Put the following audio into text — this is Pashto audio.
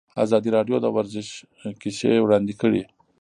ازادي راډیو د ورزش کیسې وړاندې کړي.